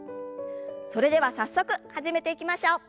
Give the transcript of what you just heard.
それでは早速始めていきましょう。